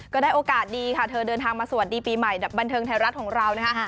ก็ได้โอกาสดีค่ะเธอเดินทางมาสวัสดีปีใหม่แบบบันเทิงไทยรัฐของเรานะคะ